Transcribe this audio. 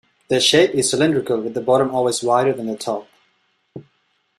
Their shape is cylindrical with the bottom always wider than the top.